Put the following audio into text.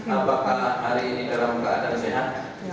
apakah hari ini dalam keadaan sehat